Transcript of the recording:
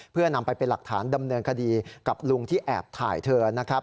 เพื่อนำไปเป็นหลักฐานดำเนินคดีกับลุงที่แอบถ่ายเธอนะครับ